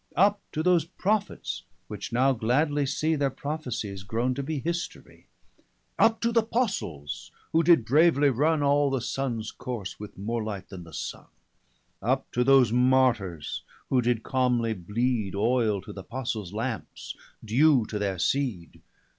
Up to those Prophets, which now gladly see Their Prophesies growne to be Historie. Up to th'Apostles, who did bravely runne All the Suns course, with more light then the Sunne. 350 Up to those Martyrs, who did calmly bleed Oyle to th'Apostles Lamps, dew to their seed.